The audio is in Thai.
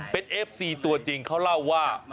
เป็นเอฟซีตัวจริงเขาเล่าว่า